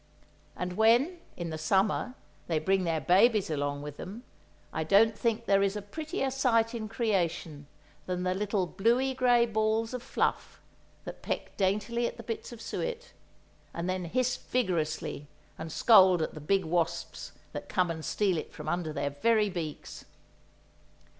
And when, in the summer, they bring their babies along with them, I don't think there is a prettier sight in creation than the little bluey grey balls of fluff, that peck daintily at the bits of suet, and then hiss vigorously and scold at the big wasps that come and steal it from under their very beaks!